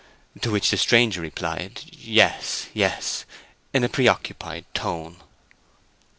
To which the stranger replied, "Yes, yes," in a preoccupied tone.